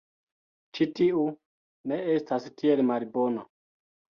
Ĉi tiu... ne estas tiel malbona.